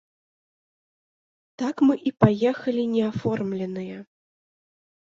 Так мы і паехалі неаформленыя.